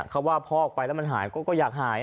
เขาว่าพอกไปแล้วมันหายก็อยากหาย